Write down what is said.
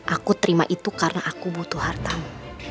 aku terima itu karena aku butuh hartamu